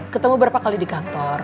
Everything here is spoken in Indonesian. ketemu berapa kali di kantor